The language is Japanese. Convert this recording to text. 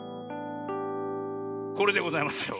これでございますよ。